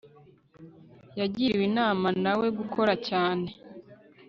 yagiriwe inama na we gukora cyane